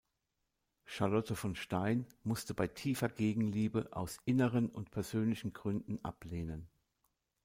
Charlotte von Stein musste bei tiefer Gegenliebe aus inneren und persönlichen Gründen ablehnen.